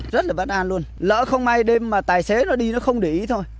rất là bất an luôn lỡ không may đêm mà tài xế nó đi nó không để ý thôi